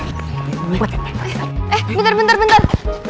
eh bentar bentar